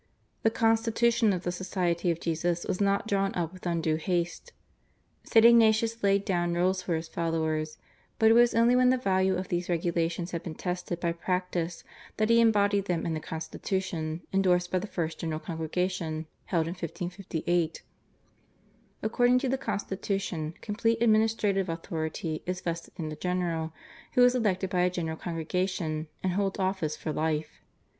The constitution of the Society of Jesus was not drawn up with undue haste. St. Ignatius laid down rules for his followers, but it was only when the value of these regulations had been tested by practice that he embodied them in the constitution, endorsed by the first general congregation held in 1558. According to the constitution complete administrative authority is vested in the general, who is elected by a general congregation, and holds office for life.